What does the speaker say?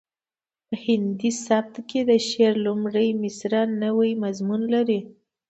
په هندي سبک کې د شعر لومړۍ مسره نوی مضمون لري